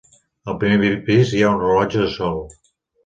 Al primer pis hi ha un rellotge de sol.